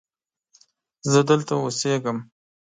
زه دلته اوسیږم